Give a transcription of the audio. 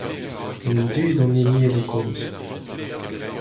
An dud an hini eo zo kaoz.